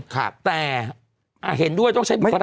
แต่เห็นด้วยต้องใช้คุณค่ะ